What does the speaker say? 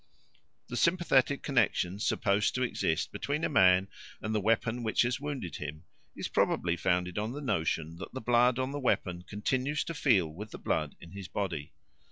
The sympathetic connexion supposed to exist between a man and the weapon which has wounded him is probably founded on the notion that the blood on the weapon continues to feel with the blood in his body.